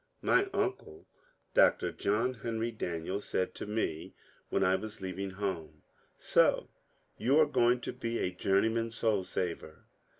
Mt unde Dr. John Henry Daniel said to me, when I was leaving home, ^^ So you are going to be a journeyman soul saver."